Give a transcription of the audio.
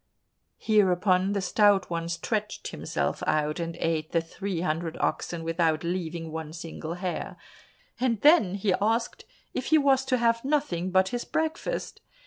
Hereupon the Stout One stretched himself out and ate the three hundred oxen without leaving one single hair, and then he asked if he was to have nothing but his breakfast.